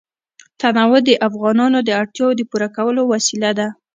تنوع د افغانانو د اړتیاوو د پوره کولو وسیله ده.